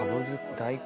大根？